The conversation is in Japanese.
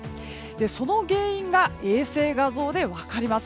その原因が衛星画像で分かります。